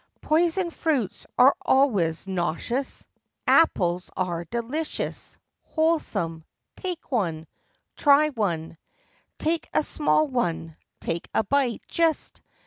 Poison fruits are always nauseous— Apples are delicious—wholesome— Take one ! Try one ! Take a small one! Take a bite, just!